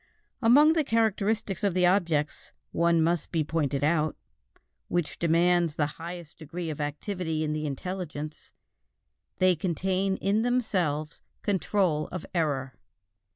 Among the characteristics of the objects, one must be pointed out, which demands the highest degree of activity in the intelligence: they contain in themselves control of error.